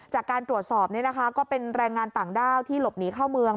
จากการตรวจสอบก็เป็นแรงงานต่างด้าวที่หลบหนีเข้าเมือง